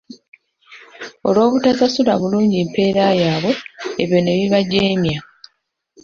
Olw'obutasasulwa bulungi mpeera yaabwe, ebyo ne bibajeemya.